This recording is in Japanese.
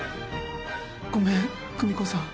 ごめん久美子さん。